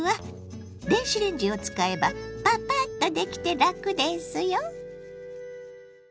電子レンジを使えばパパッとできて楽ですよ。